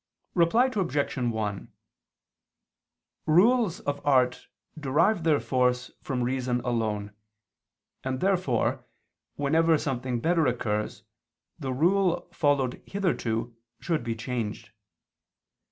Reply Obj. 1: Rules of art derive their force from reason alone: and therefore whenever something better occurs, the rule followed hitherto should be changed.